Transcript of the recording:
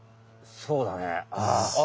そうだねあ。